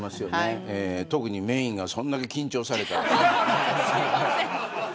特に、メーンがそんだけ緊張されたらね。